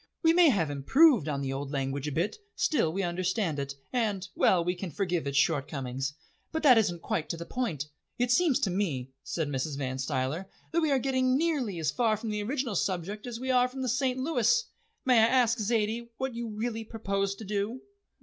"We may have improved on the old language a bit, still we understand it, and well, we can forgive its shortcomings. But that isn't quite to the point." "It seems to me," said Mrs. Van Stuyler, "that we are getting nearly as far from the original subject as we are from the St. Louis. May I ask, Zaidie, what you really propose to do?"